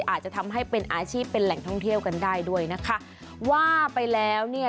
อาจจะทำให้เป็นอาชีพเป็นแหล่งท่องเที่ยวกันได้ด้วยนะคะว่าไปแล้วเนี่ย